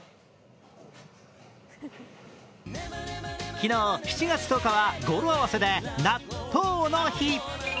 昨日、７月１０日は語呂合わせでなっとうの日。